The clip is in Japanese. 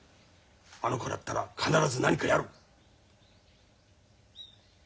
あの子だったら必ず何かやる。